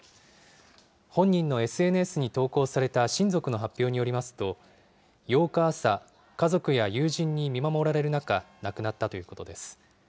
本人のＳＮＳに投稿された親族の発表によりますと、８日朝、家族や友人に見守られる中、亡くなったということです。